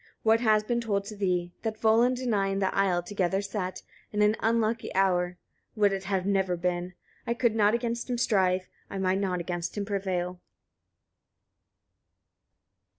what has been told to thee, that Volund and I in the isle together sat, in an unlucky hour: would it had never been! I could not against him strive, I might not against him prevail."